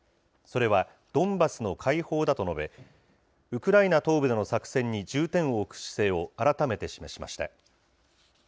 それはドンバスの解放だと述べ、ウクライナ東部での作戦に重点を置く姿勢を改めて示しました。